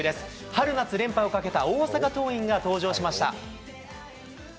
春夏連覇をかけた大阪桐蔭が登場しました。